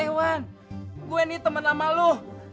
eh wan gue nih temen sama lu